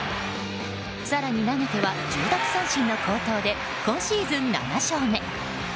更に投げては１０奪三振の好投で今シーズン７勝目。